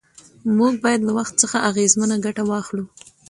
موږ باید له وخت څخه اغېزمنه ګټه واخلو